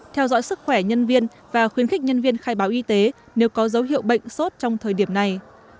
theo dõi sức khỏe nhân viên và khuyến khích nhân viên khai báo y tế nếu có dấu hiệu bệnh sốt trong thời điểm này